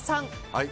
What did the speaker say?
はい。